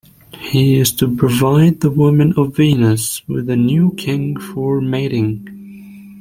He is to provide the women of Venus with a new king for mating.